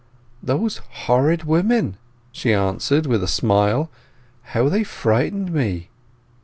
"Those horrid women!" she answered with a smile. "How they frightened me."